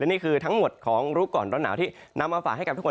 นี่คือทั้งหมดของรู้ก่อนร้อนหนาวที่นำมาฝากให้กับทุกคน